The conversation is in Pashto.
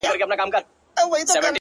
• د دې لپاره چي ډېوه به یې راځي کلي ته ـ